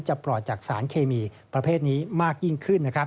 จะปลอดจากสารเคมีประเภทนี้มากยิ่งขึ้น